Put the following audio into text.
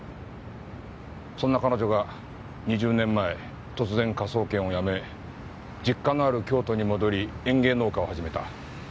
そんな彼女が２０年前突然科捜研を辞め実家のある京都に戻り園芸農家を始めた。